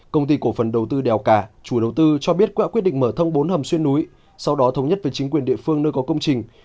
công ty cổ phần đầu tư đèo cà chủ đầu tư cho biết đã quyết định mở thông bốn hầm xuyên núi sau đó thống nhất với chính quyền địa phương nơi có công trình